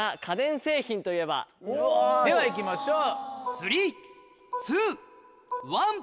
ではいきましょう。